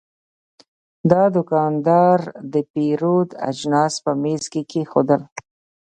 دا دوکاندار د پیرود اجناس په میز کې کېښودل.